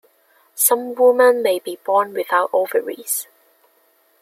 Some women may be born without ovaries.